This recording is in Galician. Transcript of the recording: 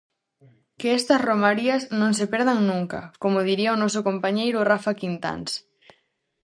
Que estas romarías non se perdan nunca, como diría o noso compañeiro Rafa Quintáns!